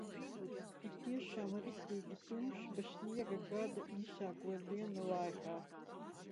Tik tiešām, riktīgi tumšs, bez sniega gada īsāko dienu laikā.